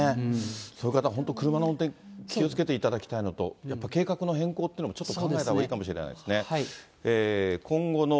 そういう方、本当、車の運転気をつけていただきたいのと、やっぱり計画の変更というのもちょっと考えたほうがいいかもしれないですね。